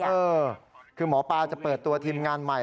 เออคือหมอปลาจะเปิดตัวทีมงานใหม่